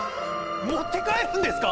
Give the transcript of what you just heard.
持って帰るんですか？